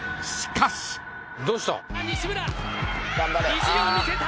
意地を見せた。